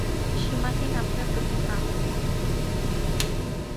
সীমাহীন আপনার প্রতিভা।